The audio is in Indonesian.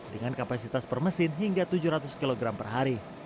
dengan kapasitas per mesin hingga tujuh ratus kg per hari